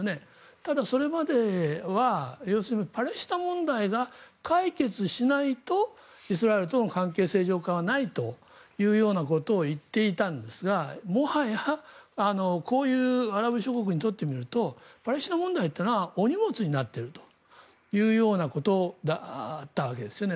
ただ、それまでは要するにパレスチナ問題が解決しないとイスラエルとの関係正常化はないというようなことを言っていたんですがもはやこういうアラブ諸国にとってみるとパレスチナ問題はお荷物になっているというようなことだったわけですよね。